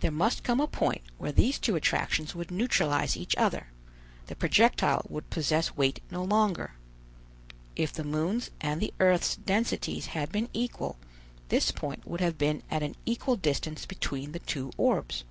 There must come a point where these two attractions would neutralize each other: the projectile would possess weight no longer. If the moon's and the earth's densities had been equal, this point would have been at an equal distance between the two orbs.